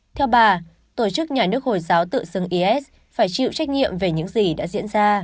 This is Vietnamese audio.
theo bà tổ chức nhà nước hồi giáo tự xưng is phải chịu trách nhiệm về những gì đã diễn ra